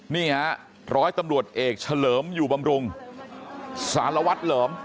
นี่ฮะร้อยตำรวจเอกเฉลิมอยู่บำรุงสารวัตรเหลิม